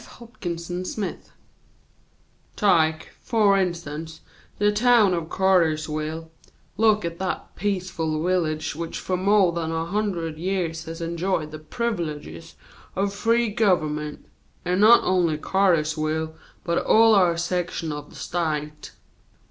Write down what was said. HOPKINSON SMITH "Take, for instance, the town of Caartersville: look at that peaceful village which for mo' than a hundred years has enjoyed the privileges of free government; and not only Caartersville, but all our section of the State."